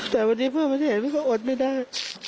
แต่วันนี้เพื่อนมันเห็นมันก็อดไม่ได้